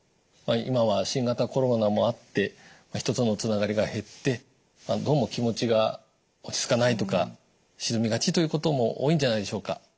今は新型コロナもあって人とのつながりが減ってどうも気持ちが落ち着かないとか沈みがちということも多いんじゃないでしょうか。